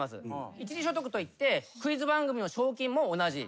一時所得といってクイズ番組の賞金も同じ。